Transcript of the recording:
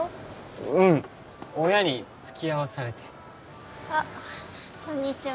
うん親に付き合わされてあっこんにちは